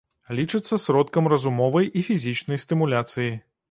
Лічыцца сродкам разумовай і фізічнай стымуляцыі.